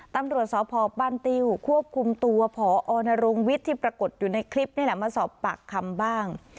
ตำรวจสพบ้านติ้วควบคุมตัวพอนรงวิทย์ที่ปรากฏอยู่ในคลิปนี่แหละมาสอบปากคำบ้าง